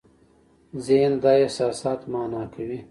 ذهن دا احساسات مانا کوي.